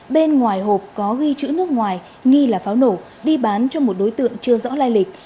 bên ngoài hộp có ghi chữ nước ngoài nghi là pháo nổ đi bán cho một đối tượng chưa rõ lai lịch